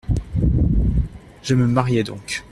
Je me mariai donc.